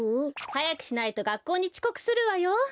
はやくしないとがっこうにちこくするわよ。